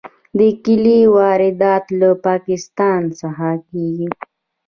د کیلې واردات له پاکستان څخه کیږي.